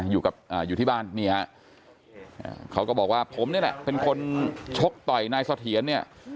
อยู่ที่บ้านเหนียเขาก็บอกว่าผมเนี่ยเป็นคนชกต่อยนายสทียัน